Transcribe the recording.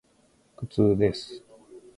苦痛です。